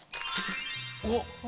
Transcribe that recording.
おっ！